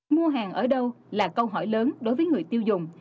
mua hàng ở đâu là câu hỏi lớn đối với người tiêu dùng